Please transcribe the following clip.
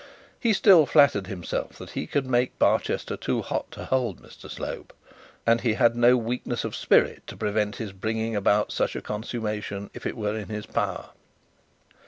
He still flattered himself that he could make Barchester too hot to hold Mr Slope, and he had no weakness of spirit to prevent his bringing about such consummation if it were in his power.